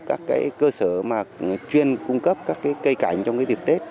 các cơ sở chuyên cung cấp các cây cảnh trong dịp tết